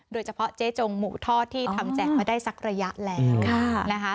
โดยเฉพาะเจ๊จงหมูทอดที่ทำแจกมาได้สักระยะแล้วนะคะ